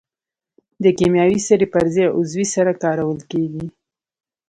د کیمیاوي سرې پر ځای عضوي سره کارول کیږي.